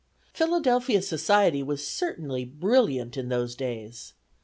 Philadelphia society was certainly brilliant in those days.